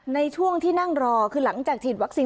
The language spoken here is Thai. ในช่วงที่นั่งรอคือหลังจากฉีดวัคซีน